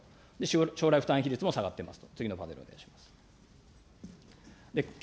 将来負担比率も下がっていますと。